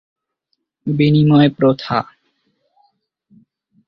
খ. বিনিময় প্রথা